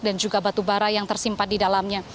dan juga batubara yang tersimpan di dalamnya